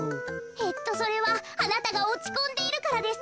えっとそれはあなたがおちこんでいるからです。